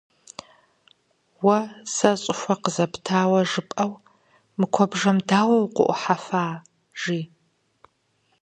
- Уэ сэ щӀыхуэ къызэптауэ жыпӀэу, мы куэбжэм дауэ укъыӀухьэфа, – жи.